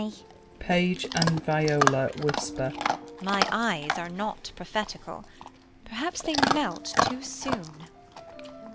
Beat. My eyes are not proi)hetical ; perhaps They melt too soon.